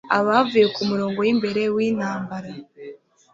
abavuye ku murongo w'imbere w'intambara